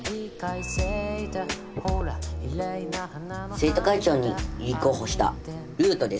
生徒会長に立候補したるうとです。